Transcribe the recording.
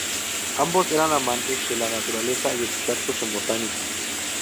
Ambos eran amantes de la naturaleza y expertos en botánica.